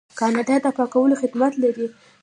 کاناډا د پاکولو خدمات لري.